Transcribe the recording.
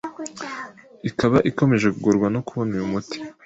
ikaba ikomeje kugorwa no kubona uyu muti